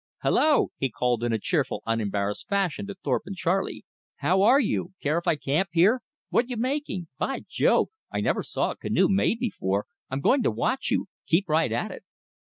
"Hullo!" he called in a cheerful, unembarrassed fashion to Thorpe and Charley. "How are you? Care if I camp here? What you making? By Jove! I never saw a canoe made before. I'm going to watch you. Keep right at it."